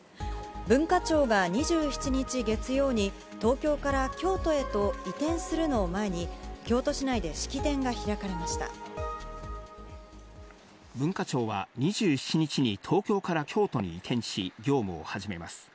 文化庁が２７日月曜に、東京から京都へと移転するのを前に、文化庁は２７日に東京から京都に移転し、業務を始めます。